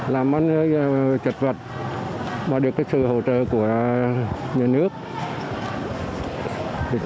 làm ăn trật vật và được sự hỗ trợ của nhà nước